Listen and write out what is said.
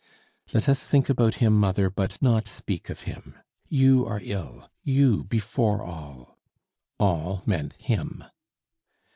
"Let us think about him, mother, but not speak of him. You are ill you, before all." "All" meant "him."